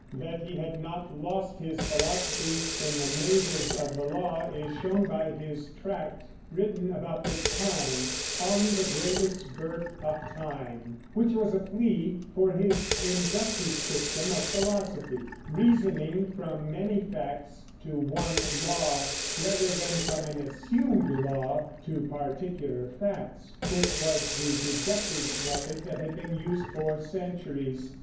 That he had not lost his philosophy in the mazes of the law is shown by his tract, written about this time, "On the Greatest Birth of Time," which was a plea for his inductive system of philosophy, reasoning from many facts to one law, rather than from an assumed law to particular facts, which was the deductive method that had been in use for centuries.